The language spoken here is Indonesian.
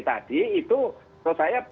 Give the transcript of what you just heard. tadi itu menurut saya